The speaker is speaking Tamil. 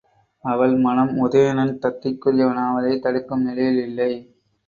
அவள் மனம் உதயணன் தத்தைக்குரியவனாவதைத் தடுக்கும் நிலையில் இல்லை.